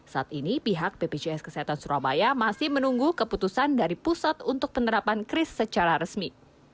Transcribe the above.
saat ini pihak bpjs kesehatan surabaya masih menunggu keputusan dari pusat untuk penerapan kris secara resmi